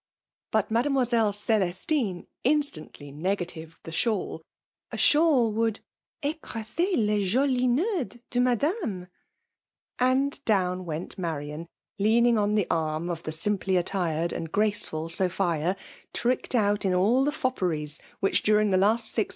But Mademoiselle Celestine instantly;, negatived the shawl ; a shawl would ^[ ecr^ser lea jolis ncetids de Madame,' And down went Marian, leaning on the arm of the dimply*: attired and graceful Sophia; tricked out in all the fopperies which, during the. iast six.